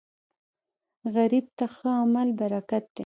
غریب ته ښه عمل برکت دی